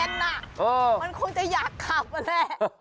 มันคงจะจะอยากขับแน่